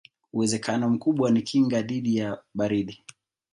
Uwezekano mkubwa ni kinga dhidi ya baridi.